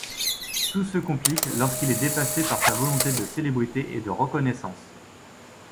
Tout se complique lorsqu'il est dépassé par sa volonté de célébrité et de reconnaissance.